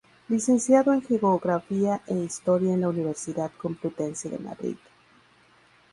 Licenciado en Geografía e Historia en la Universidad Complutense de Madrid.